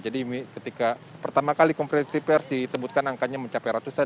jadi ketika pertama kali konferensi pers disebutkan angkanya mencapai ratusan